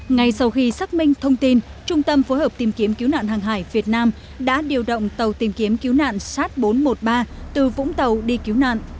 ngay sau khi xác minh thông tin trung tâm phối hợp tìm kiếm cứu nạn hàng hải việt nam đã điều động tàu tìm kiếm cứu nạn sát bốn trăm một mươi ba từ vũng tàu đi cứu nạn